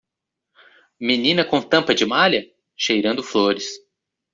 Menina com tampa de malha? cheirando flores.